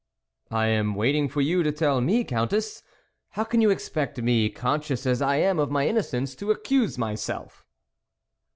" I am waiting for you to tell me, Countess. How can you expect me, con scious as I am of my innocence, to accuse myself